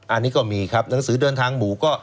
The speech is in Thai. อันนี้ก็มีครับหนังสือเดินทางหมู่ก็